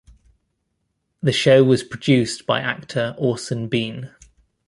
The show was produced by actor Orson Bean.